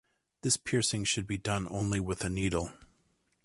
This piercing should be done only with a needle.